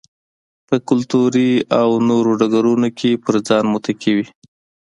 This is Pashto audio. په کلتوري او نورو ډګرونو کې پر ځان متکي وي.